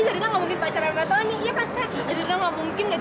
jadi nggak mungkin